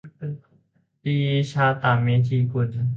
ลี ชาตะเมธีกุล